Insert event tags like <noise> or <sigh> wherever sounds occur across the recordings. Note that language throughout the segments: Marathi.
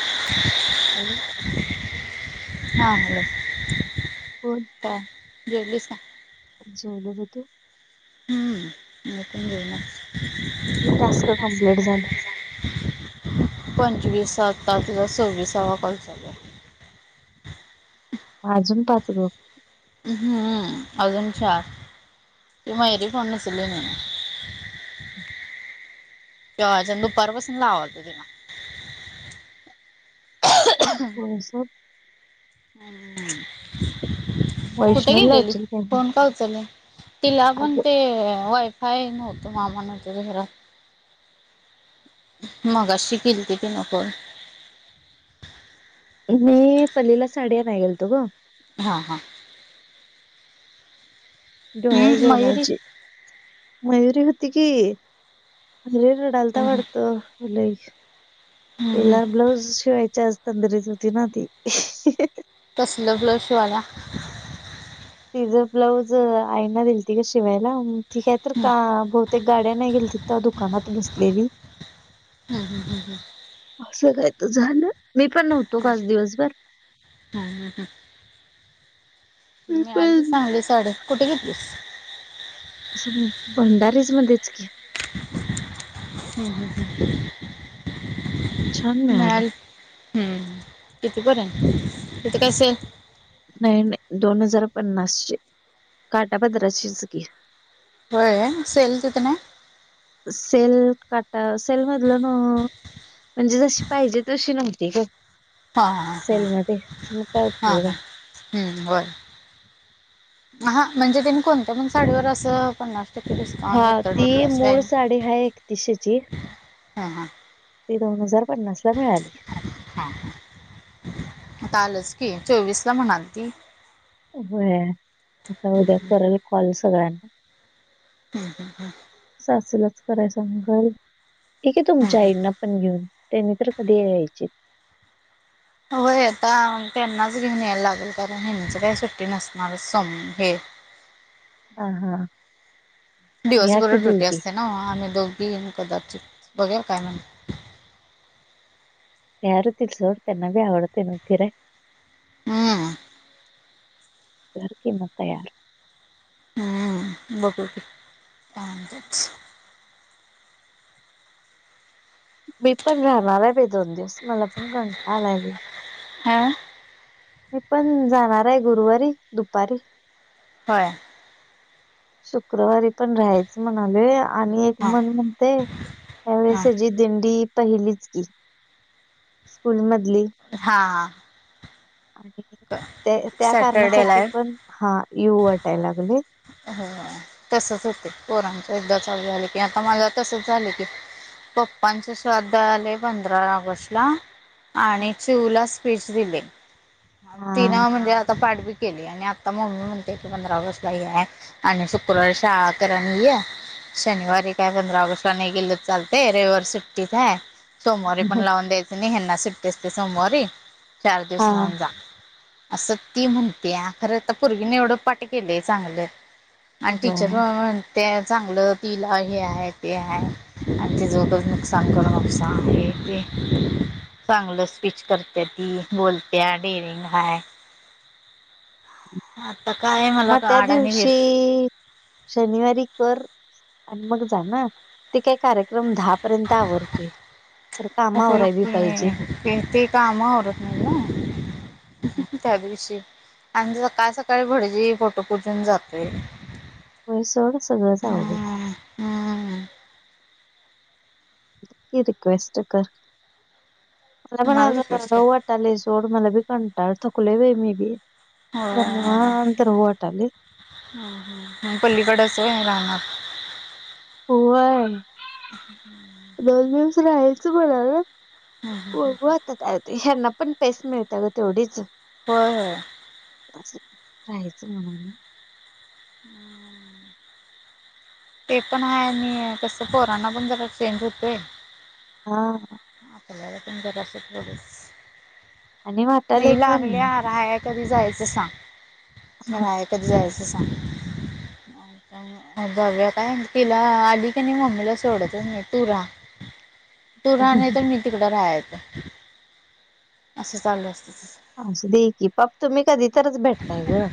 <inaudible> हॅलो हा हॅलो बोल तर जेवलीस का झोपेल होते <unintelligible> ह मपून जेवला. टास्क कंप्लीट झाली. पंचवीसता तज सव्वीसावा कॉलचालू आहे. अजून पाच ग हम्म अजूनचार त माहिरी फोनसले नाही ना कज दुपरपसून लावात तिला <inaudible> होय <unintelligible> हम्म <unintelligible> कुठे वैष्णवला गेलेली उचल पाहिजे कोण का उचल तिला पण अग ते वाईफ‌ हाय न त मामानात घहरा मग शिकली त ती नको. मी पलीला साड्या पागेलतो ग हां हां डोहाळ हम्म मयुरी जाऊनाची हम्म मयूरी होती की चालता हम्म हम्म हम्म वाढतलला ब्लाउज शिवायच अस तंदरी सुती नाती तसलं ब्लाऊज शिवायला. तिझं ब्लाऊज आईना दिल त का शिवायला ठीक आहे तर का बहुतेक गाड्या नाही गेल तिथ त्या दुकानात बसलेली. हम् हम हम हं असं काय तर झालं मी पण नव्हतो काच दिवसभर हम ह ह मी आज सांगली साडी कुठे घेतली. असं भंडारीज मध्येच की ह छान मिळाली मल हम्म किती पर्य तिथे कस आहे नाही नाही दोन हजार पन्नास चे काटा पदराचीच घी क सेल तिितने सेल काटा सल मधला ना म्हणजे जशी पाहिजे तशी नव्हती ग हा हा हा सेल मध्ये मग काय हा उपयोग हा आहे. हम्म बर हा म्हणजे तेी कोणत्या पण साडीवर असं पणणार त िस्काउऊंट जो हा त अस ती असला मूळ साडी आहे एकतीसशेची हां हां ती दोन हजार पन्नास ला मिळाली. हा लच की चोवीस ला म्हणाल ती हो आता उद्या करेल कॉल सगळ्यांना. हम हम हम स असलाच कराय सांगल ठीक आहे तुमच्या आईना. पण घेऊन त्यानी तर कधी यायचे होय आता त्यांनाच घेऊन यायला लागेल कारण हेच काही सुट्टी नसणार सम हे ह हा दिडवस या की बरोर ड्युटी दोघी असते ना आम्ही दोघी कदाचित बघेर काय म्हणत तरतील सोर त्यांना बी आवडते न फिरय. हम्. रखी मातयार हम्म बघू की <unintelligible> मी पण राहणार आहे बाई दोन दिवस. मला पण कंटाळ आलाय लइ ह मी पण जाणार आहे गुरुवारी दुपारी होय. शुक्रवारी पण राहायच म्हणालोय आणि एक हा मन म्हणतय त्यावेळेस हा हेजी दिंडी पहिलीच की. स्कूल मधली हा. आणि ते त्या सॅटरडेला कारणासाठी आहे पण, हा यू वाटाय लागलय. होय तसच होतय. पोरांच एकदा चालू झालं की, आता मला तसच झालं की पप्पांच श्राद्ध आलंय पंधरा ऑगस्ट ला. आणि चिवूला स्पीच दिले. हा तिनं म्हणजे आता पाट बीट केली आणि आता मम्मी म्हणते की पंधरा ऑगस्टला <unintelligible> आणि शुक्रवारी शाळा कर आणि ये शनिवारी काय पंधरा ऑगस्टला नाही गेल चालतय. रविवार सुट्टीच हाय. सोमवारी पण लावून द्यायचं नाही. हेना सुट्टी आसते सोमवारी. चार दिवस हा राहून जा. असं ती म्हणत्या, खरं ता पूर्गीन एवढं पाठ केलंय चांगलं आणि टीचर व्हय <unintelligible> म्हणते चांगलं तिला हे हाय ते हाय आणि तिज उगच नुकसान करू नकोसा. हे ते चांगलं स्पीच करत्या ती, बोलत्या डेरिंग हाय आता काय म म त्या दिवशी शनिवारी कर आणि मग जा ना. ते काय कार क्रम दहा पर्यंत आवरतोय, खर काम आवराय बी पायजे. <unintelligible> काम आवरत नाइ न त्या दिवशी आणि सकाळ-सकाळी भडजी फोटो पूजून जातोय. होय सोड सगळं आवगड हम्म हम्म रिक्वेस्ट कर. <unintelligible> कुणाला रिक्वेस्ट कर राहू वाट टालय सोड, मला बी कंटाळ, थकलोय बाई मी बी जरा होय. निवांत राहू वाटालय पलीकडच होय रानात? होय. दोन दिवस राहायचं म्हणलोय बगू आता काय होतय, ह्यांना पण पेस मिळत्या ग तेवढीच होय होय. आस राहायचं म्हनालोय <unintelligible> ते पण हाय आणि कसं पोरांना पण जरा चेंज होतोय. हा. आपल्याला पण जारास तेवढंच. आणि वाटालय ती पण लागल्या राहा कधी जायचं सांग? राहाय कधी जायचं सांग? मग जाऊया काय तिला आली कणी मम्मीला सोडतच नाही. तु रहा. तु रहा नाही तर मी तिकडं राहाय येतो असं चालू असतय तिज असुदे की पा, तुम्ही कधी तरच भेटताय ग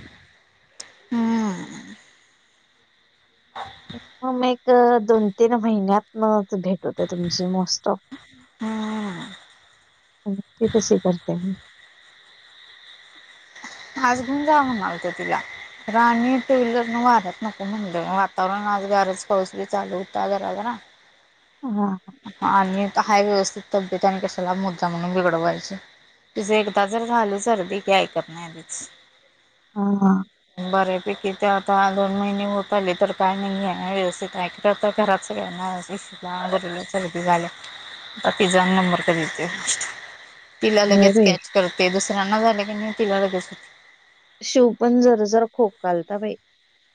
हम्म. <inaudible> <unintelligible> एक, दोन, तीन महिन्यातन च भेट <unintelligible> तुमची मोस्ट ऑफ हम्म म्हनून ती तशी करत्या ग आज घेऊन जावा म्हणालतो तिला खर आणि टू व्हीलर न वाऱ्यात नको म्हणलं. वातावरण आज गारच. पाऊस बी चालू होता जरा - जरा <inaudible> हा हा ह आणि हाय व्यवस्थित तब्येत आणि कशाला मुद्दामन म्हणून बिघडवायची तुझे एकदा जर झाल सर्दी की ऐकत नाही ह हा बर्या पैकी ते आता दोन महिने होत आले तर काय नाही हाय व्यवस्थित हाय काय तर घरात सगळ्यांना इशूला गरुला सर्दी झालीया आता तीजानं नंबर कधी येतोय तिला होय लगेच बाई स्कॅच करते दुसऱ्यांना झालं की मी तिला लगेच शिव पण जर जरा जरा खोकालता बाई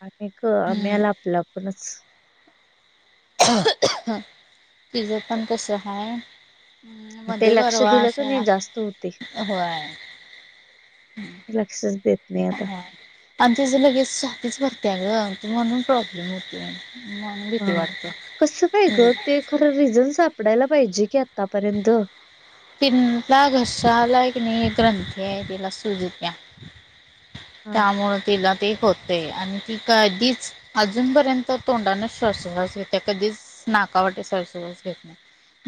आणि कमी आल आपला आपणच तिझं पण कसं हाय ते मध्ये लक्ष गरवा दिलं का असा, नाही जास्त होते होय. लक्षच देत. नाही हा आता आणि आमच्याचं लगेचं छातीच भरतीया गं म्हणून प्रॉब्लेम होतोय म्हणून भीती हा वाटतीया कसं काय हम् ग ते खरं रिझन सापडायला पाहिजे की आतापर्यंत तिला घशाला हे किनाही एक नाही ग्रंथी आहे तिला सुज इत्या हा त्यामुळे तिला ते होत ती कधीच अजूनपर्यंत तोंडानंच श्वासोच्छवास कधीच नाकावाटे शासोश्वास घेत नाही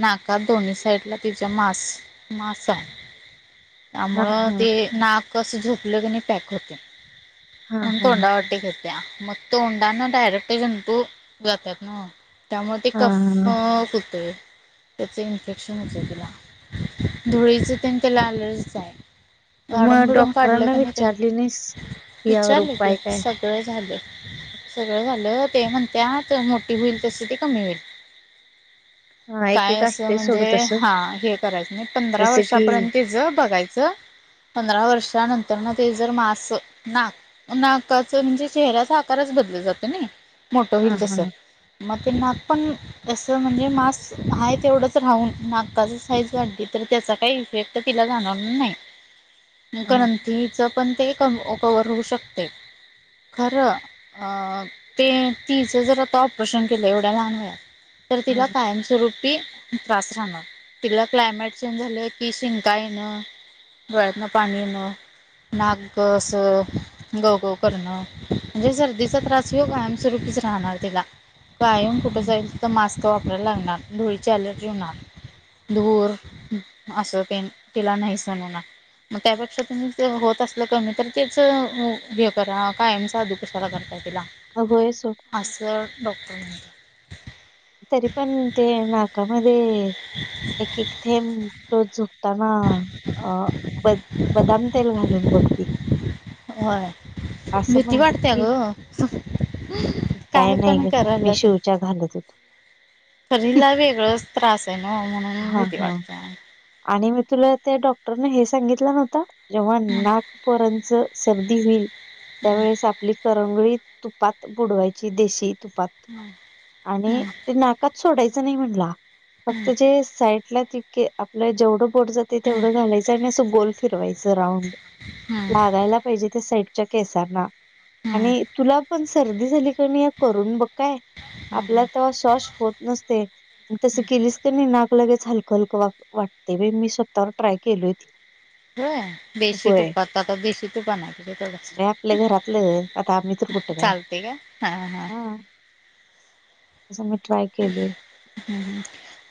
नाकात दोन्ही साईडला तिच्या मास मास हाय हा त्यामुळं हा ते नाक असं झोपलं की नाही पॅक होत्या हा हा म्हणून हा तोंडा वाटते घे मग तोंडानं डायरेक्ट जंतू जात्यात न्हवं त्यामुळे ते कफ हा. हुतोय त्याचं इन्फेक्शन होतय तिला धुळीचं तेन तिला ऍलर्जीचं हाय झाडून मग बिडून काढलं डॉक्टरांना की नाही ते विचारली नाहीस कि यावर विचारलं की उपाय काय सगळं झालय सगळं झालं ते म्हणत्यात मोठी होईल तस ते कमी होईल होय काय असं म्हणजे हा हे करायचं नाही पंधरा जस की वर्षापर्यंतच तीचं बघायच पंधरा वर्षानंतरनं ते जर मा अस नाक नाकाचं म्हणजे चेहऱ्याचा आकारच बदल जातोय नाही मोठं हा होईल हा तसं मग ते नाक पण तसं म्हणजे मास आहे तेवढंच राहून नाकाच साईज वाढली तर त्याचा काही इफेक्ट तर तिला जाणवणार नाही हा ग्रंथीचं पण ते कवर होऊ शकतय खरं ते तिचं जरा आता ऑपरेशन केलं एवढ्या लहान वयात तर तिला हा कायमस्वरूपी त्रास राहणार तिला क्लायमेट चेंज झालं की शिंका येणं डोळ्यातनं पाणी येणं नाक असं गवगव करणं म्हणजे सर्दीचा त्रास ह्यो कायमस्वरूपीच राहणार तिला कायम कुठे हम्म. जाईल तर मास्क वापरायला लागणार धुळीची अ‍ॅलर्जी होणार धूर असं तेन तिला नाही सहन होणार मग त्यापेक्षा तुमी ते होत अस कमी तर तेच हे करा कायमच अधू कशाला करताय तिला अ होय सोड असं डॉक्ट तरी पण ते नाकामध्ये एक एक थेंब रोज झोप ताना अ बदाम तेल घालून बघ की व्हय असं भीती म्हणतात वाटत्या की ग काय नाही पण ग मी करायल्यात शिवच्या घालत होतो खरं हिला वेगळंच त्रास आहे न्हवं म्हण हा हा आणि मी तुला त्या डॉक्टरने हे सांगितलं नव्हता. जेव्हा हम्म नाक पोरांच सर्दी होईल. त्यावेेळेस आपली करंगळी तुपात बुडवायची देशी तुपात. आणि हम्म ते नाकात सोडायचं नाही. म्हणला हम्म फक्त जे साईड ला तिके आपला जेवढं बोट जाते. हम्म तेवढं घालायचं आणि असं गोल फिरवायचं राऊंड. हम्म लागायला पाहिजे. त्या साईडच्या केसांना हम्म आणि तुला पण सर्दी झाली की नाही करून बघ काय. हम्म आपला हम्म तवा श श्वास होत नसते. मग तस केलीस की नाही नाक लगेच हलकं हलक वाटते. मी स्वतःवर ट्राय केलोय ते. <unintelligible> होय. देशी तुपात आता देशी तूप आणायला पाहिजे अरे आपल्या तेवढ्यासाठी घरातलं आता आम्ही तर कुठं काय चाल तेय. ठीक आहे हा हा. तस मी ट्राय केलोय. ह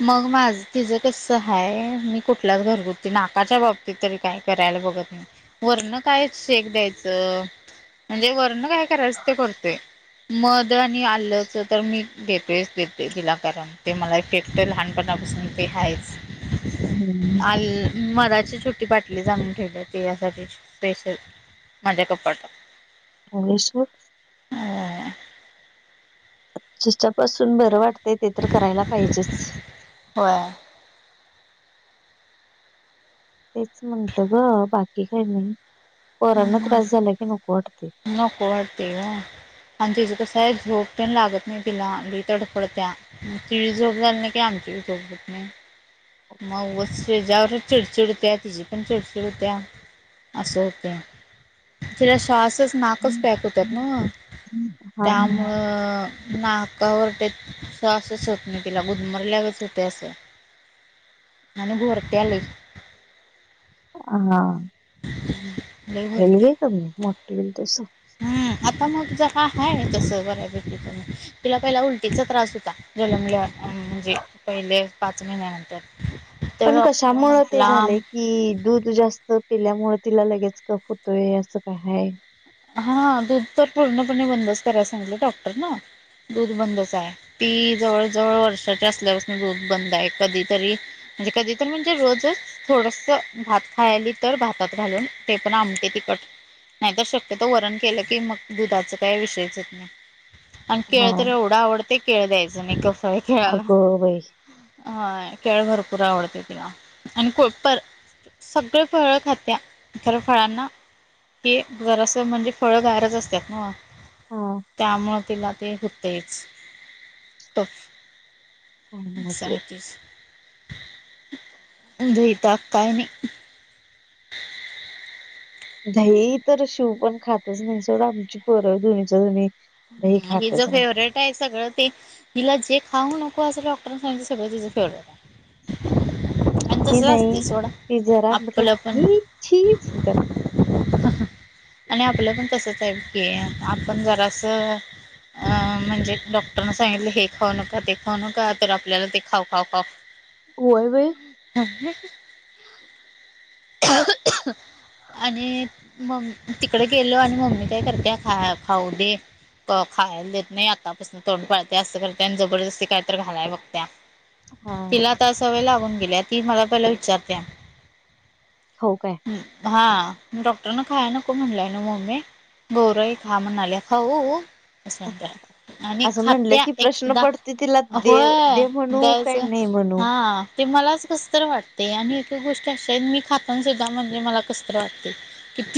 मग माझ तिचं कस आहेय. मी कुठलाच घरगुती नाकाच्या बाब मी तरी काय करायला बघत नाही. वरण काय शेक द्यायचं. म्हणजे वरण काय करायचं ते करतोय मध आणि आल्याच तर मी देतोयच ते तिला प्यायला. ते मला इफेक्ट लहानपणापासून ते आहेच हम्मर आल मधाची छोटी बाटलीच आणून ठेवल्या. ते यासाठी स्पेशल माझ्या कपाटात भगेश्वर <unintelligible> अ जिच्यापासून बरं वाटतय ते तर करायला पाहिजेच. होय. तेच म्हटलं, ग बाकी काही नाही. पोरांना त्रास झाला की नको वाटतय. नको वाटते. हो आणि तिज कसंय झोप तेन लागत नाही. तीला लई तडफडत्या तिची झोप झाली नाही. की आमची बी झोप होत नाही. मग उगच तेच्यावरच चिडचिड होत्या. तिची पण चिडचिड होत्या. असं होतंय. तिला श्वासच नाकच पॅक होतात ना. हा हा त्यामुळं, नाकावर ते श्वास च होत नाही. तिला असं गुदमरल्यागत होते असं. आणि घोरत्या लय. हा, लई होईल घोरत्या घे कमी मोठी होइल तस. हम्म, आता मग जरा आहे तस बऱ्यापैकी कमी. तिला पहिला उलटीचा त्रास होता. जन्मल्यावर म्हणजे, पहिले पाच महिन्यानंतर तर पण डॉक्टर कशामुळ ते म्हटला झालंय? कि दूध जास्त पिल्यामुळे तिला लगेच कफ होतोय. असं काय आहे? हा दूध तर पूर्णपणे बंदच करायला सांगीतल. डॉक्टर न दूध बंदच आह. ती जवळ जवळ वर्षाच्या असल्यापासून दूध बंद आहे. कधीतरी म्हणजे कधी तर म्हणजे रोजच थोडस भात खायली. तर भातात घालून. ते पण आमटी तिखट. नाही तर शक क्यतो. वरण केलं की मग दुधाच काय विषयच नाही आणि केळ हा तर एवढं तिला आवडते केळं द्यायचं नाही. कफ आहे मी मुलाला अगं बाई. हा केळ भरपूर आवडते तिला आणि पर सगळी फळ खात्या. खर फळांना हे जरासं तर म्हणजे फळं गारच असतात नव्ह. हा त्यामुळं तिला ते हो तेच टफ काय नव्हच बाई. सगळीच. दही, ताक काय नाही दही तर शिव पण खातच नाही सोडा आमची पोर दोनीच्या दोनि. ह हिज फेवरेट आहे सगळं ते.? तिला जे खाऊ नको. असं डॉक्टरानी सांगितल सगळ तिचंफेवरेट आहे. आणि तस हे नाही असते सोडा ती जरा म्हटलं आपलं पण ही छी म्हणत्यात. आणि आपलं पण तसच आहे, की आपण जरासं अं म्हणजे डॉक्टरन सांगितलं हे खाऊ नका, ते खाऊ नका, तर आपल्याला ते खाऊ -खाऊ खा <inaudible> होय बई! ह <unintelligible> आणि म तिकडे गेलो आणि मम्मी काय करते खा खाऊ दे! खायला देत नाही, आतापासून तोंड पाळते असं करते आणि जबरदस्ती काय तर घालाय बघत्या हा तिला आता सवय लागून गेली, ती मला पहिला विचारत्या. खाऊ काय. हा डॉक्टर न खाय नको म्हणलंय ना मम्मे. गोरई खा म्हणाले खाऊ? असं सांगत्या, आणि असं म्हणलं खात्या की प्रश्न एकदा पडतोय तिला दे होय दे द म्हणू च काय नाही म्हणू. हा. ते मलाच कस तर वाटते, आणि एक गोष्टी अशा आहेत मी खातन सुद्धा म्हणजले मला कस तर वाटते. किती